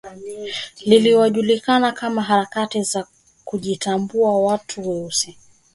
Lililojulikana kama Harakati za kujitambua kwa watu weusi